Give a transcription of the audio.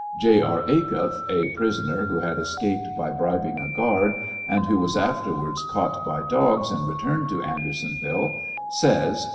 I. R. Achuff, a prisoner who had escaped by bribing a guard, and who was afterwards caught by dogs and returned to Andersonville, says, (p.